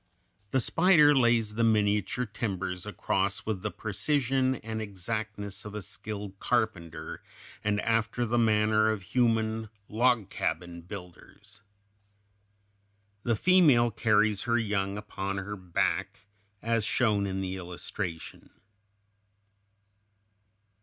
The spider lays the miniature timbers across with the precision and exactness of a skilled carpenter and after the manner of human log cabin builders. The female carries her young upon her back, as shown in the illustration.